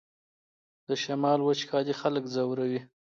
د شمال وچکالي خلک ځوروي